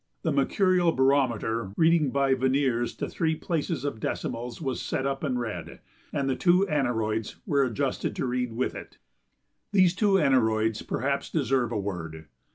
The mercurial barometer reading by verniers to three places of decimals was set up and read, and the two aneroids were adjusted to read with it. These two aneroids perhaps deserve a word.